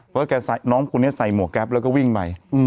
เพราะน้องคนนี้ใส่หมวกแก๊ปแล้วก็วิ่งไป